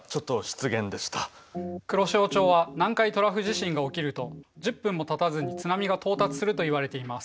黒潮町は南海トラフ地震が起きると１０分もたたずに津波が到達するといわれています。